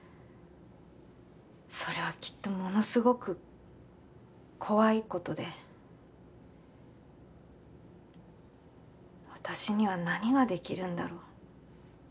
それはきっとものすごく怖いことで私には何ができるんだろう